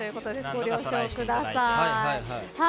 ご了承ください。